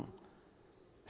dan itu adalah peluang